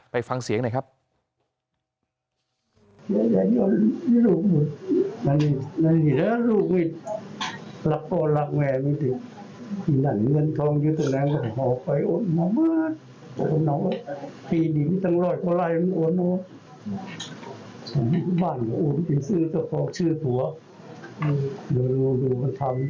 ไปฟังเสียงหน่อยครับ